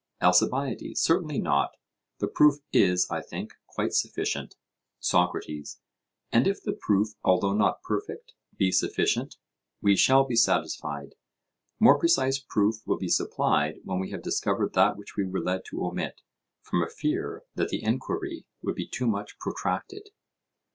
ALCIBIADES: Certainly not; the proof is, I think, quite sufficient. SOCRATES: And if the proof, although not perfect, be sufficient, we shall be satisfied; more precise proof will be supplied when we have discovered that which we were led to omit, from a fear that the enquiry would be too much protracted.